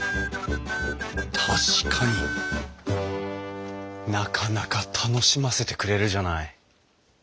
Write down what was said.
確かになかなか楽しませてくれるじゃない。